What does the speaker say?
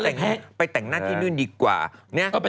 โอ้โหไปแต่งหน้าที่นู่นดีกว่าแต่งหน้าเลยแพง